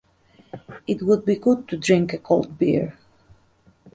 It would be good to drink a cold beer.